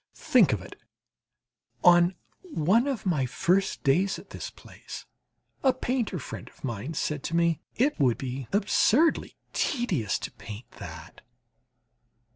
Think of it! on one of my first days at this place, a painter friend of mine said to me: "It would be absurdly tedious to paint that!"